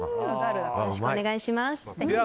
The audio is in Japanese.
よろしくお願いします。